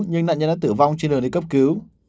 nhưng nạn nhân đã tử vong trên đường đi cấp cứu